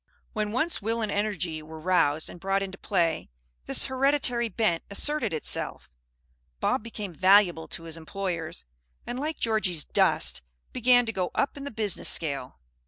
When once will and energy were roused and brought into play, this hereditary bent asserted itself. Bob became valuable to his employers, and like Georgie's "dust," began to go up in the business scale.